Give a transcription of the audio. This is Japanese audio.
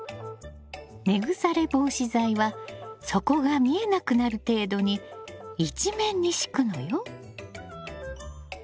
根腐れ防止剤は底が見えなくなる程度に一面に敷くのよ。